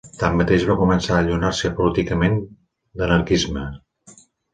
Tanmateix va començar a allunyar-se políticament d'anarquisme.